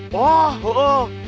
wah eh eh